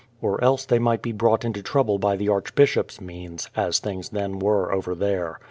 Or else they might be brought into trouble by the archbishop's means, as things then were over there.